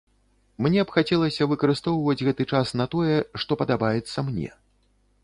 Мне б хацелася выкарыстоўваць гэты час на тое, што падабаецца мне.